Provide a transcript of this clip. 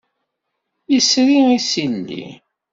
Yesri isili.